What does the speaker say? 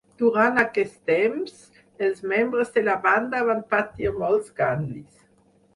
Durant aquest temps, els membres de la banda van patir molts canvis.